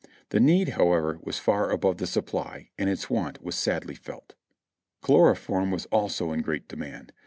The need, however, was far above the supply, and its want was sadly felt. Chloroform was also in great demand.